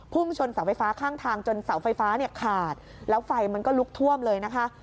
ชนเสาไฟฟ้าข้างทางจนเสาไฟฟ้าเนี่ยขาดแล้วไฟมันก็ลุกท่วมเลยนะคะ